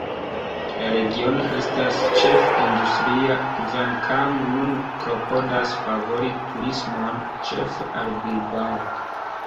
La regiono estas ĉefe industria, kvankam nun klopodas favori turismon, ĉefe al Bilbao.